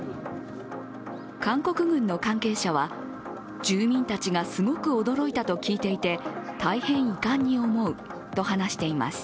韓国軍の関係者は、住民たちがすごく驚いたと聞いていて大変遺憾に思うと話しています。